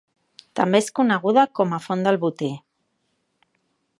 També és coneguda com a font del Boter.